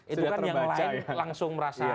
itu kan yang lain langsung merasa